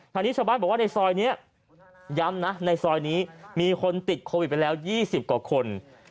ทางนี้ชาวบ้านบอกว่าในซอยนี้ย้ำนะในซอยนี้มีคนติดโควิดไปแล้ว๒๐กว่าคน